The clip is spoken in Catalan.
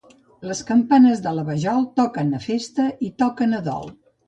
Les campanes de la Vajol toquen a festa i toquen a dol.